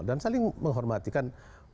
dan saling menghormatikan